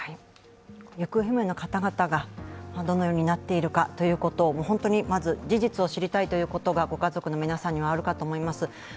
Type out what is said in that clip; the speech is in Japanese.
行方不明の方々がどのようになっているかということを本当にまず事実を知りたいということがご家族の皆さんにはあると思います。